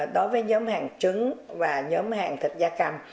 đối với nhóm hàng trứng và nhóm hàng thịt da cầm